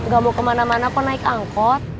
gak mau kemana mana kok naik angkot